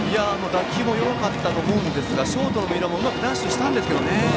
打球も弱かったと思うんですがショートのうまくダッシュしたんですけどね。